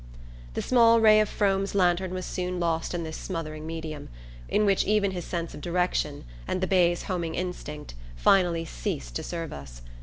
The small ray of Frome's lantern was soon lost in this smothering medium, in which even his sense of direction, and the bay's homing instinct, finally ceased to serve us.